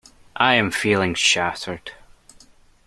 I am feeling shattered.